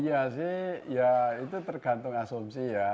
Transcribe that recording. iya sih ya itu tergantung asumsi ya